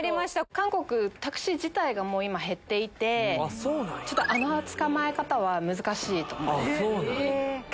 韓国タクシー自体がもう今減っていてちょっとあのつかまえ方は難しいと思いますそうなんや